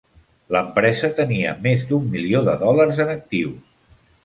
L'empresa tenia més d'un milió de dòlars en actius.